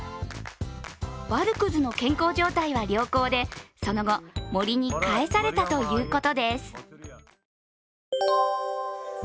バルクズの健康状態は良好でその後、森に返されたということです。